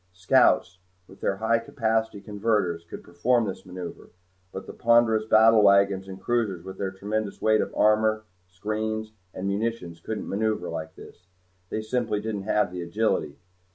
Scouts, with their high capacity converters, could perform this maneuver, but the ponderous battlewagons and cruisers with their tremendous weight of armor, screens, and munitions couldn't maneuver like this. They simply didn't have the agility.